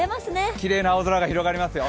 きれいな青空が広がりますよ。